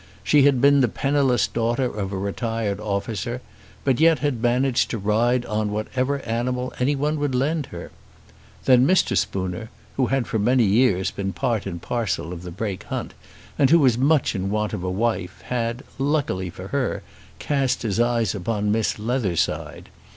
She had been the penniless daughter of a retired officer, but yet had managed to ride on whatever animal any one would lend her. Then Mr. Spooner, who had for many years been part and parcel of the Brake hunt, and who was much in want of a wife, had, luckily for her, cast his eyes upon Miss Leatherside.